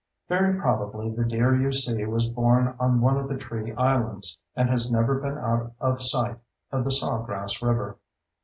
Very probably the deer you see was born on one of the tree islands, and has never been out of sight of the sawgrass river.